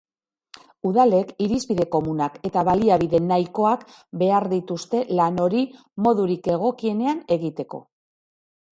Udalek irizpide komunak eta baliabide nahikoak behar dituzte lan hori modurik egokienean egiteko.